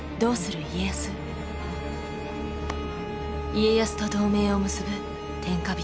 家康と同盟を結ぶ天下人